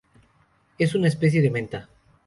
Es una especie de menta.